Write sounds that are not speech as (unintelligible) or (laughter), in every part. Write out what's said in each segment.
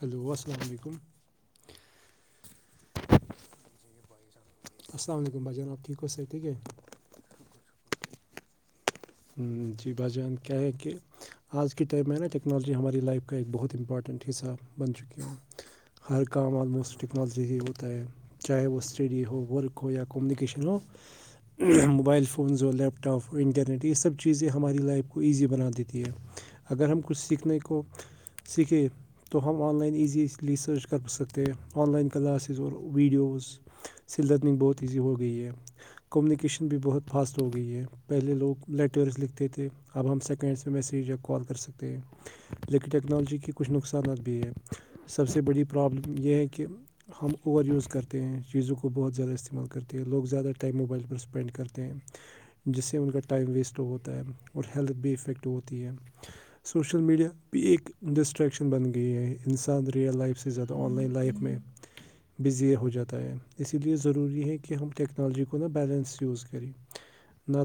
hello السلام علیکم جی یہ بھائی جان بولیے السلام علیکم بھائی جان ٹھیک ہے سحت ٹیھک ہے شکر شکر جی بھای جان کیا ہے کہ آج کے ٹائم ہے نا ٹیکنالوجی ہماری لائف کا ایک بہت امپورٹنٹ حصہ بند چک ہیں ہر کام آج موسٹ ٹییکنالجی سے ہی ہوتا ہے چاہے وہ اسٹڈی ہو ورک ہو یا کوومونکیشن ہو موبائل فونز لپٹاپ ہو انٹرنیٹز سب چیزیں ہماری لائف کو ایزی بنا دیتی ہے اگر ہم کچھ سیکھنے کو سیکھیں تو ہم آن لائن ایزی لیے سرچ کر سکتے ہیں آن لائن کلاسز اور ویڈیوز سےلایف بہت ایزی ہو گئی ہے کمیونیکیشن بھی بہت فاسٹ ہو گئی ہے پہلے لوگ لیٹرز لکھتے تھے اب ہم سیکنڈس میں میسیج یا کال کر سکتے ہیں لیکن ٹیکنالوجی کے کچھ نقصانات بھی ہیں سب سے بڑی پرابلم یہ ہے کہ ہم اوور یوز کرتے ہیں چیزوں کو بہت زیادہ استعمال کرتے ہیں لوگ زیادہ ٹائم موبائل پر اسپینڈ کرتے ہیں جس سے ان کا ٹائم ویسٹ ہوتا ہے اور ہیلتھ بھی افیکٹ ہوتی ہے سوشل میڈیا بھی ایک ڈسٹریکشن بن گئی ہے انسان ریئل لائف سے سے زیادہ آن لائن لائف میں بزی ہو جاتا ہے اسی لیے ضروری ہے کہ ہم ٹیکنالوجی کو نا بیلنس یوز کریں ن تو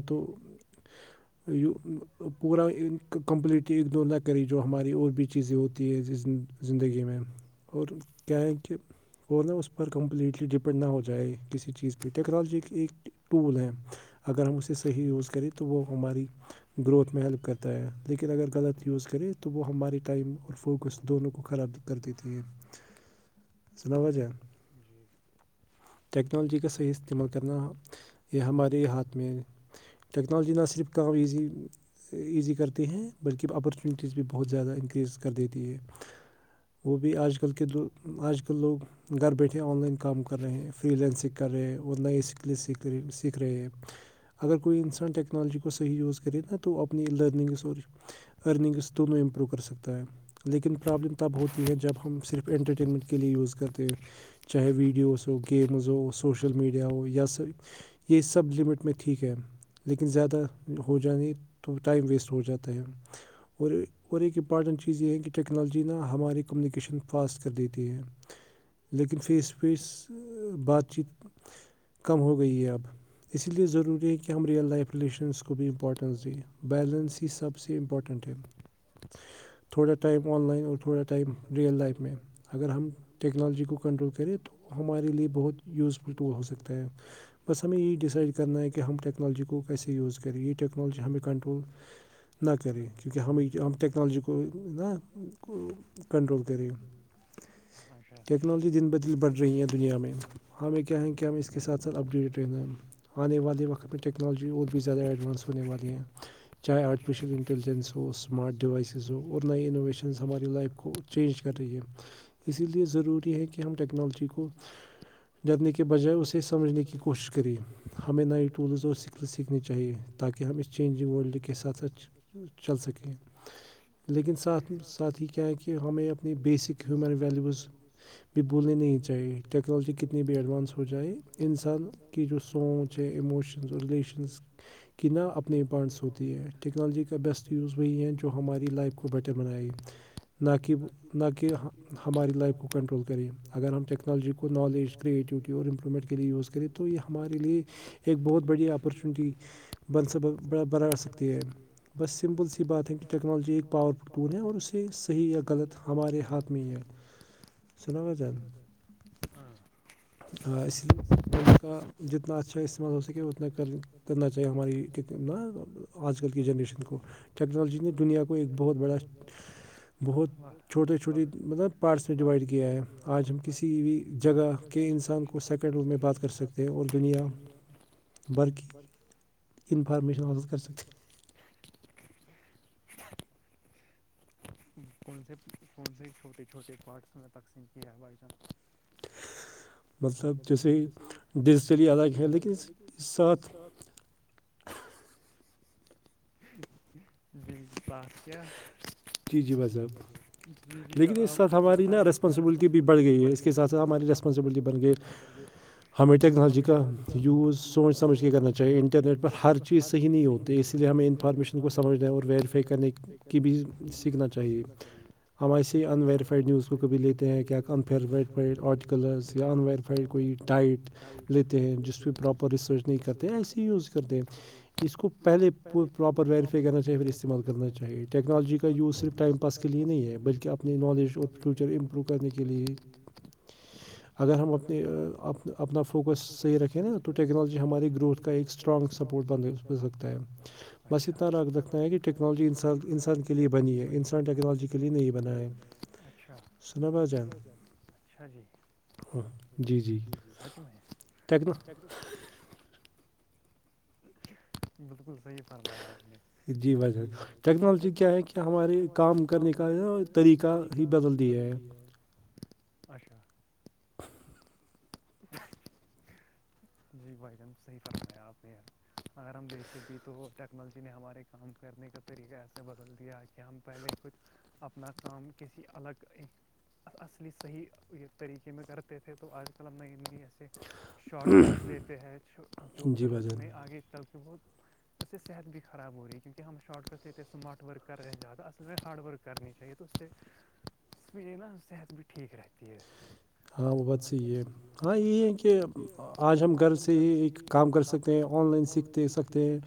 تو یہ پورا کمپلیٹلی اگنور نہ کری جو ہماری اور بھی چیزیں ہوتی ہے زندگی میں اور کیا ہے کہ وہ نہ اس پر کمپلیٹلی ڈپینڈ نہ ہو جائے کسی چیز ٹیکنالوجی ایک ٹول ہے ا اگر ہم اسے صحیح یوزکریں تو وہ ہماری گروتھ میں ہیلپ کرتا ہے لیکن اگر غلط یوز کرے تو وہ ہمارے ٹائم اور فوکس دونوں کو خراب کر دیتے ہیں سنا وجہ جی ٹیکنالوجی کا صحیح استعمال کرنا یہ ہمارے ہاتھ میں ٹیکنالوجی نہ صرف کام ایزی ایزی کر ہیں بلکہ اپارچونیٹیز بھی بہت زیادہ انکریز کر دیتی ہے وہ بھی آج کل کے دو آج کل لوگ گھر بیٹھے آن لائن کام کر رہے ہیں فری لینسکگ کر رہے ہیں اور نئے اس کے لیے سیکھ سیکھ رہے ہیں اگر کوئی انسان اپ ٹیکنالجی کو صحیح یوز کرے ن تو اپنی لرنگز ارننگس دونوں امپرو کر سکتا ہے لیکن پرابلم تب ہوتی ہے جب ہم صرف انٹرٹینمنٹ کے لئے یوز کرتے ہیں چاہے ویڈیوز ہو گیمز ہو سوشل میڈیا ہو یا س یہ سب لمٹ میں ٹھیک ہے ہم لیکن زیادہ ہو جانے تو ٹائم ویسٹ ہو جاتا ہے اور اور ایک امپارٹنٹ چیز یہ ہے کہ ٹیکنالوجی نا ہماری کمیونیکیشن فاسٹ کر دیتی ہے لیکن فیس ٹو فیس بات چیت کم ہو گئی ہے اب اس لیے ضروری ہے کہ ہم لائف ریلیشنس کو بھی امپورٹنس دیں بیلنس ہی سب سے امپورٹنٹ ہے (inaudible) تھوڑا ٹائم آن لائن اور تھوڑا ٹائم ریئل لائف میں اگر ہم ٹیکنالوجی کو کنٹرول کریں تو ہمارے لیے بہت یوزفل تو ہو سکتا ہے بس ہمیں یہی ڈیسائڈ کرنا ہے کہ ہم ٹ ٹیکنالوجی کو کیسے یوز کرے یہ ٹیکنالوجی ہمیں کنٹرول نہ کرے کیونکہ ہمیں ہم ٹیکنالوی کو نا کنٹرول کرے ٹیکنالوجی دن بہدل بڑھ رہی ہے دنیا میں ہمیں کیا ہے کیا ہم اس کے ساتھ ساتھ اپ ڈیٹ رہنا آنے وال وت ٹیکنال وی اور بھی زیادہ ایڈوانس ہونے والی ہیں چاہے آرٹیفیشل انٹیلیجنس ہو اسمارٹ ڈیوائسز ہو نئے انوویشنز ہماری لائف کو چینج کر رہی ہے اسی لیے ضروری ہے ک ہم ٹیکنالوجیک (inaudible) جتنے کے بجائے اسے سمجھنے کی کوشش کری ہمیں نئے ٹولز اور سکل سیکھنی چاہیے تاکہ ہم اس چینجنگ ورلڈ کے ساتھ ساتھ چل سکیں لیکن ساتھ ساتھ ہی کیا ہے کہ ہمیں اپنی بیسک ہیومن ویلیوز بھی بھولنی نہیں چاہیے ٹیکنالوجی کتنی بھی ایڈوانس ہو جائے انسان کی جو سوچ ہے ایموشن اور ریلیشنس کی نہ اپنے امپارٹس ہوتی ہیں ٹیکنالوجی کا بیسٹ یوز وہئی ہیں جو ہماری لائف کو بیٹر خوبچی (unintelligible) نہ کہ نہ کہ ہماری لائف کو کنٹرول کرے اگر ہم چیک (unintelligible) نالج کرٹی اورمنٹے یوز کرے تو یہ ہمارے لیے (unintelligible) بہت بڑی اپارچونیٹی بنا سکے ہے بس سمپل سی (unintelligible) بات ہے کہ ٹیکنالوجی بہت مپور ہے اور اس سے صحیح یا غلط ہمارے ہاتھ میں ہے (unintelligible) س ہاں (unintelligible) ب دتنا (unintelligible) کرنا چاہیے ہماری آج کل کی جنریشن کو ٹیکنالوجی نے دنیا (unintelligible) تو ایک بہت بڑا چھوٹی چھوٹی مطلب پارٹس نے ڈوائڈ کیا ہے آج ہم کسی جگہ کہ انان کو سر میں بات کر سکے دنیا بلکہ انفارمیشن آزز کر سکیں کون سے کون سے چھوٹے چھوٹے پارٹس میں تقسیم کیا ہے بائی چانس مطلب جیسے ڈیزیٹلی الگ ہے ل کےن ساتھ ساس کی جی جی ج ج رسپانسبلٹی بھی بڑھ گئی ہے اس کےھپ مرکس مر گ ہمیں ٹیکنالوجی کا یوز سوچ سمجھ نہیں کرنا چاہیے انٹرنیٹ پر ہر چیز صحیح نہیں ہوگ تو اسی لیے ہمیں انفارمیشن کو سمجھنا ہوں اور ویریفائی کرنے کی بھی سیکھنا چاہیے ہم ایسی انویریفائڈ نیوز کو کبھی لیتے ہیں کیا انفیڈ آرٹیکل اسام ویریفائیڈ کوئی ٹائپ لیتے ہیں جس پہ پراپر ریسرچ نہیں کرتے ایے یوز کرتے ہیں اس کو پہلے پراپر ویریفائی کرنااہیے پہے استعمال کرنا چاہیے کیاہ ٹیکنالوجی کا یوز صرف ٹائم پاس کے لیے نہیں ہے بلکہ اپنی نالج اور فیوچر امپرو کرنے کے لیے بھی اگر ہم اپنے اپنا فوکس صحیح رکھیں نا تو ٹیکنالوجی ہماری گروتھ ر ستا ہےچھا بس ر رتا ہے و انان لیے بنی ہے انسان ٹیکنالوجی کے لیے نہیں بنا اچھا اچھا جی جی جی سچ میں بالکل صحیح فرمایا آپ نے جی ویے ٹیکنالوجی کیا ہے کہ ہمارے کام کرنےک طریقہ ہی بدلتی ہے اچھا جی بھائی جان صحیح پسند ہے آپ نے یار اگر ہم دیکھیں بھی تو ٹیکنالوجی نے ہمارے کام کرنے کا طریقہ ایسے بدل دیا کہ ہم پہلے کچھ اپنا کام کسی الگ ایک اصلی صحیح طریقے میں کرتے تھے تو آج کل ہم نئے نئی ایسے شارٹ کٹ دیتے ہیں جو پھر ہمیں آگے چل کے وہ اس سے صحت بھی خاب ہو رہی ہے کیونکہ ہم شارٹ کٹ لیتے ہیں اسمارٹ ورک کر رہے زیادہ اصل میں ہارڈ ورک کرنی چاہیے تو اس سے اس نا صحت بھی ٹھیک رہتی ہے ہاں ببت سے یہ (unintelligible) ہاں یہ ہے کہ آج ہم گھر سے ہی ایک کام کر سکتے ہیں آن لائن سیکھ د سکتے ہیں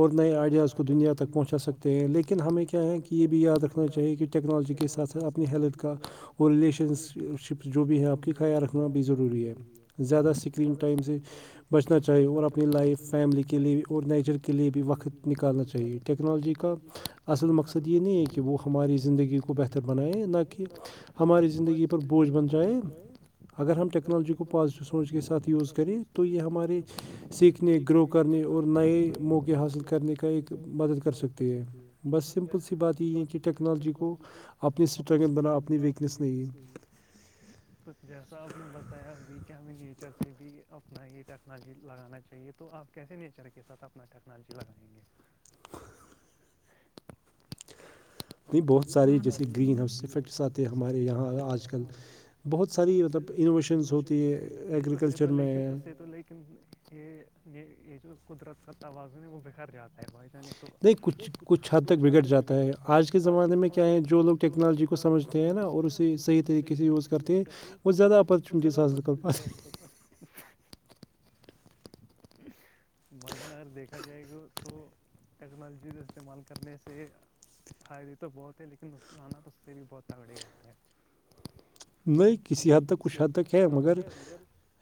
اور نئے آئیڈیاز کو دنیا تک پہنچا سکتے ہیں لیکن ہمیں کیا ہے کہ یہ بھی یاد رکھنا چاہیے کہ ٹیکنالوجی کے ساتھ سھ اپنی ہیلتھ کا اور ریلیشن شپ جو بھی ہے آپ کا خیال رکھنا بھیز ضروری ہے زیادہ اسکرین ٹائم سے بچنا چاہیے اور اپنی لائف فیملی کے لیے بھی اور نیچر کے لیے بھی وقت نکالنا چاہیے ٹیکنالوجی کا اصل مقصد یہ نہیں ہے کہ وہ ہماری زندگی کو بہتر بنائےیں نہ کہ ہماری زندگی پر بوجھ بن جائے اگر ہم ٹیکنالوجی کو پازیٹیو سوچ کے ساتھ یوز کریں تو یہ ہمار سیکھ اپنے گرو کرنے اور نئے موقع حاصل کرنے کا ایک مدد کر سکتے ہیں ب بالکل سی بات یہ ہے کہ ٹیکنالوجی کو اپنی اسٹرگل بنا اپنی ویکنیس نہیں ہے تو جیسا اپ نے م (unintelligible) ابھی کیا ہمیں نیچر سے بھی اپنا یہ ٹیکنالوجی لگانا چاہیے تو آپ کیسے نیچر کے ساتھ تب اپنا ٹیکنالوجی بنائیں گے (inaudible) نہیں بہت سارے جیسے گرین ہاؤس افیکٹس آتے ہیں ہمارے یہاں آج کل بہت ساری مطلب انوویشن شنس ہوتی ہے ایگریکلچر میں تو لیکن یہ یہ جو قدرت کا توازن ہے وہ بکھر جاتا ہے بائی نہیں تو نہیں کچھ کچھ حد تک بگڑ جا ہے آج کے زمانے میں کیا ہے جو لوگ کیا ٹیکنالوجی کو سمجھتے ہیں نا اور اسی صحیح طریقے سے یوز کرتے ہیں بہ زیادہ اپارچونیٹیز ہیں س (unintelligible) ٹ (unintelligible) بھجن اگر دیکھا جائے گا تو ٹیکنالوجی کا استعمال کرنے سے فائدے تو بہت ہے لیکن نقصانہ تو اس سے بھی بہت تگڑے ہوتا ہے نہیں کسی حد تک کچھ حد تک ہے مگر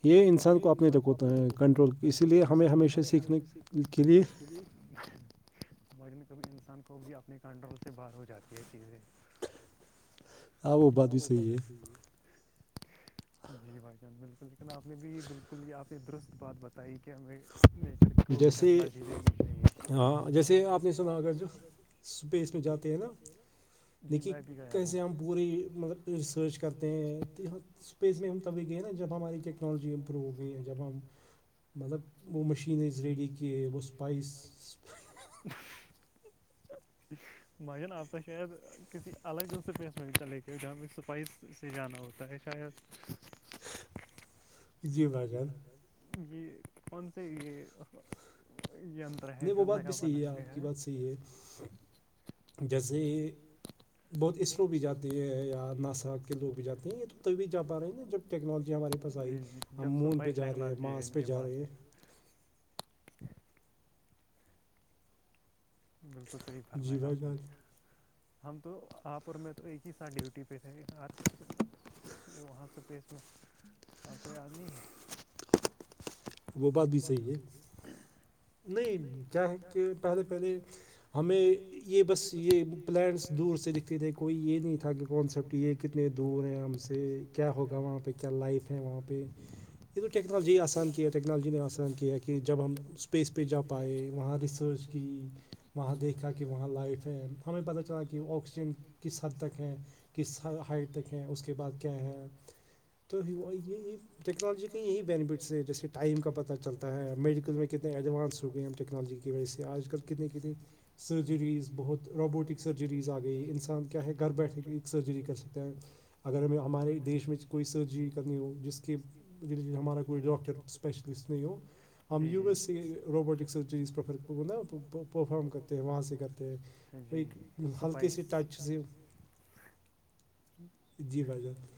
یہ انسان کو اپنے تک ہوتا ہے کنٹرول اسی لیے ہمیں ہمیشہ سیکھنے کے لیے جی (unintelligible) مج میں کبھی انسان کو بھی اپنے کنٹرول سے باہر ہو جاتی ہے چیزیں ہاں وہ بات بھی صحی ہے جی بھائی جان بالکل لیکن آپ نے بھی یہ بالکل یہ آپ نے درست بات بتائی کہ ہمیں نہیں سر کو بھی ٹیکنالوجی دینی چاہیے ہاں جیسے آپ نے سنا تھا اسپیس میں جاتے ہیں نا (unintelligible) نیکی کیسے ہم پوری مطلب ریسرچ کرتے ہیں تو یہ اسپی اس میں ہم تبھی گئے نا جب ہماری ٹیکنالوجی امپروو ہو گئی ہیں جب ہم مطلب وہ مشین مکینز ریڈی کہ وہ اسپائس (unintelligible) ج (unintelligible) مج ن آبتا شاید کسی الگ اسپیس میں چلے گ ج ہم اسپائس سے جانا ہوتا ہے شاید جی ج (unintelligible) یہ کون سے یہ یہ اندر طرے جو نیا بنایا گیا ہے جیسے بہت اسرو بھی جاتی ہے یا ناسااک کے لوگ بھی جاتے ہیں یہ تو طبیت جا پا رہے ہیں نا جب ٹیکنالوجی ہمارے پاس آئی ہم مون پہ جا رہے ہیں ماس پہ جا رہے ہیں ج (inaudible) بالکل صحیح فرمایا آپ نے ہم تو آپور میں تو ایک ہی ساتھ ڈیوٹی پہ تھے ہ وہاں سے پیش میں اورپ کوئی نہیں ہے وہ بات بھی صحیح ہے نہیں کیا ہے کہ پہلے پہلے ہمیں یہ بس یہ پلینٹس دور سے دکھ تھے کوئی یہ نہیں تھا کہ کانسیپٹ یہ کتنے دور ہیں ہم سے کیا ہوگا وہاں پہ لائف ہے وہاں پہ یہ تو ٹیکنالوجی آسان کیا ہے ٹیک ٹیکنالوجی نے آسان کیا کہ جب ہم اسپیس پہ جا پائے وہاں ریسرچ کی وہاں دیکھا کہ وہاں لائف ہے ہمیں پتہ چلا کہ آکسیجن کس حد تک ہے کس ہائٹ تک ہیں اس کے بعد کیا ہے تو یہی ٹیکنالوجی کے یہی بینیفٹس ہے جیسے جی سر ٹائم کا پتہ چلتا ہے میڈیکل میںیک کہتے ہیں ایڈوانس ہو گئے ہیں ٹیکنالوجی کی وجہ سے آج کل کی دیک کتے سرجریز بہت روبوٹک سرجریز آ گئی ہے انسان کیا ہے گھر بیٹھے کی سرجری کر سکتا ہے اگر ہمیں ہمارے دیش میں کوئی سرجری کرنی ہو جس کے ہمارا کوئی ڈاکٹر ج جی جی سپائس جی بائی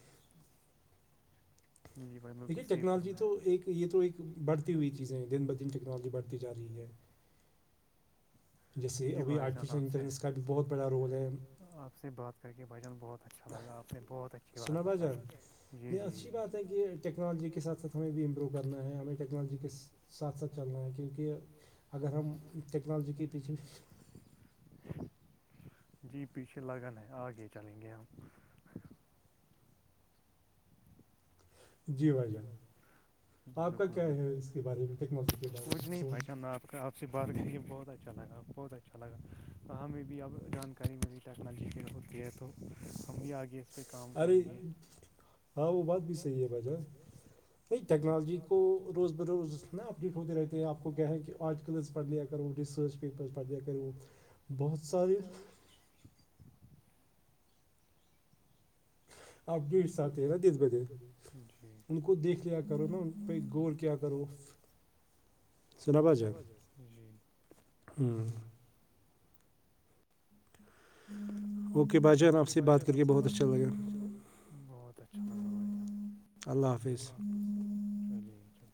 دیکھیے ٹیکنالوجی تو ایک یہ تو ایک بڑھتی ہوئی چیزیں دن بہدن ٹیکنالوجی بڑھتی جا رہی ہے (inaudible) جی بح جان آپ سے آپ سے بات کر کے بھن بہت اچھا لگا آپ نے بہت اچھی بات بتائی جی جی ٹیکنالوجی کے ساتھ سنےنا ٹنالوی کے ساتھ ساتھ کی ہم یکنی جی پیچھے لگن ہے آگے چلیں گے ہم بالکل بھائی ا نہیں بچ ن آپ کا سے بات کر کے بہت اچھا لگا بہت اچھا لگا ہمیں بھی اب جانکاری ملی ٹیکنالوجی کی ہوتی ہے تو ہم ہی آگے اس پہ کام کریں گے بائی ٹیکنالوجی کو روز بروز نا اپ ڈیک ہوتے رہتے ہیں آپ کو کہیں کہ آرٹیکلز پڑھ لیا کر وہ ریسرچ یہ کر وہ بہت سارے آپ بیھ ساتتے ہیں نا دس ب دس ان کو دیکھ لیا کرو نا ان پہ غور کیا کرو سنا باجے ہوں ہ (inaudible) اوکے بھائی جان آپ سے بات کر کے بہت اچھا لگا بہت اچھا لگا بھائی جان اللہ حافظ چلیے چلیے